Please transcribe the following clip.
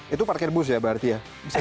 itu parkir bus ya berarti ya